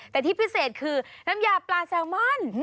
แต่ที่พิเศษคือน้ำยาปลาแซลมอน